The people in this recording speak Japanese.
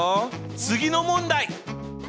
次の問題！